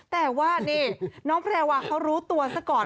แต่ว่านี่น้องแพรวาเขารู้ตัวซะก่อน